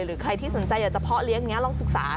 หรือใครที่สนใจอยากจะเพาะเลี้ยอย่างนี้ลองศึกษา